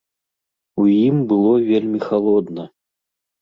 У ім было вельмі халодна.